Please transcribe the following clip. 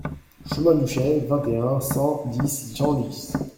Chemin d'Huchey, vingt et un, cent dix Genlis